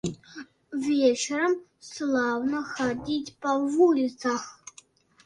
Вечарам слаўна хадзіць па вуліцах.